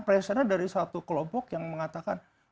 pressure dari satu kelompok yang mengatakan